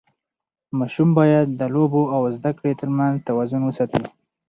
ماشوم باید د لوبو او زده کړې ترمنځ توازن وساتي.